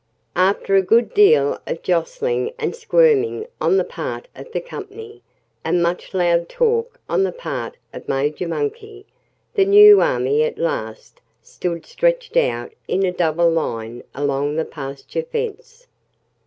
After a good deal of jostling and squirming on the part of the company, and much loud talk on the part of Major Monkey, the new army at last stood stretched out in a double line along the pasture fence.